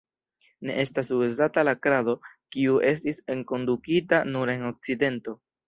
Ne estas uzata la krado, kiu estis enkondukita nur en Okcidento.